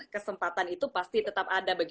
kesempatan itu pasti tetap ada